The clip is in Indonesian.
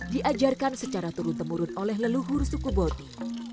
diajarkan secara turun temurun oleh leluhur suku boti